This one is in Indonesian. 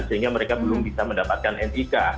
sehingga mereka belum bisa mendapatkan nik